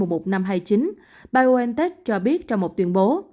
b một một năm trăm hai mươi chín biontech cho biết trong một tuyên bố